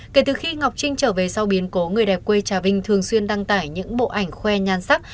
kể từ khi ngọc trinh trở về sau biến cố người đẹp quê trà vinh thường xuyên đăng tải những bộ ảnh khoe nhan sắc